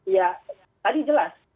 ya tadi jelas